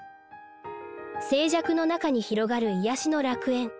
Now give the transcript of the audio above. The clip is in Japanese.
静寂の中に広がる癒やしの楽園、草津温泉。